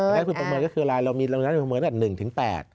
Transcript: เงินได้พึงประเมินก็คืออะไรเรามีเงินได้พึงประเมินกัน๑๘